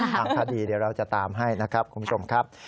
ทางคดีเดี๋ยวเราจะตามให้นะครับคุณผู้ชมครับ